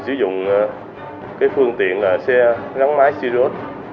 sử dụng cái phương tiện là xe gắn máy sirius